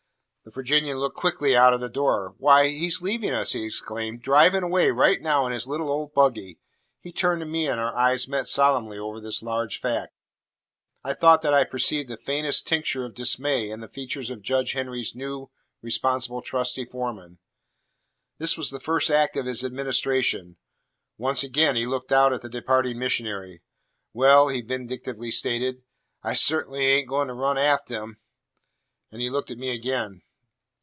The Virginian looked quickly out of the door. "Why, he's leavin' us!" he exclaimed. "Drivin' away right now in his little old buggy!" He turned to me, and our eyes met solemnly over this large fact. I thought that I perceived the faintest tincture of dismay in the features of Judge Henry's new, responsible, trusty foreman. This was the first act of his administration. Once again he looked out at the departing missionary. "Well," he vindictively stated, "I cert'nly ain't goin' to run afteh him." And he looked at me again.